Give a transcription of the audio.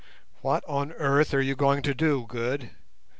"What on earth are you going to do, Good?"